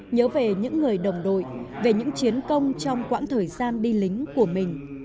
nhớ về những người đồng đội về những chiến công trong quãng thời gian đi lính của mình